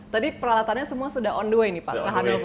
tadi peralatannya semua sudah on the way nih pak hanova